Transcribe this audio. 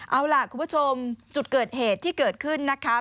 เอาล่ะคุณผู้ชมจุดเกิดเหตุที่เกิดขึ้นนะคะ